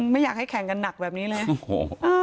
ไม่อยากให้แข่งกันหนักแบบนี้เลยโอ้โห